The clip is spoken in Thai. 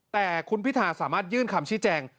แต่คุณพิธาสามารถยื่นคำชี้แจง